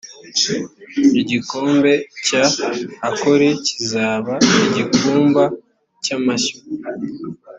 igikombe cya akori kizaba igikumba cy amashyo